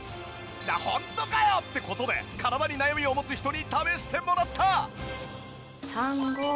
ホントかよ！？って事で体に悩みを持つ人に試してもらった！